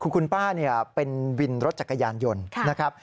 คุณป้าเป็นวินรถจักรยานยนต์นะครับ